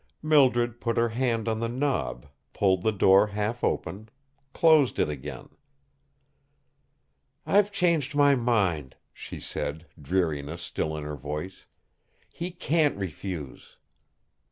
Mildred put her hand on the knob, pulled the door half open, closed it again. "I've changed my mind," she said, dreariness still in her voice. "He can't refuse."